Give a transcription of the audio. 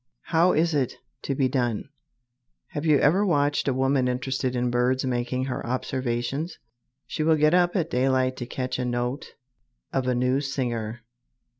How is it to be done? Have you ever watched a woman interested in birds making her observations? She will get up at daylight to catch a note of a new singer.